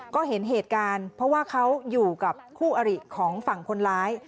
ก็เห็นเหตุการณ์เพราะว่าเขาอยู่กับคู่อริของฝั่งคนร้าย